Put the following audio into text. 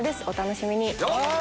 お楽しみに。